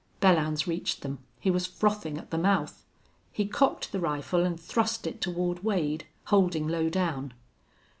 Belllounds reached them. He was frothing at the mouth. He cocked the rifle and thrust it toward Wade, holding low down.